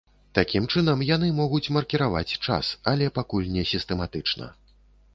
Такім чынам, яны могуць маркіраваць час, але пакуль не сістэматычна.